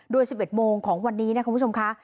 โดย๑๑โมงของวันนี้นะคุณผู้ชมค่ะ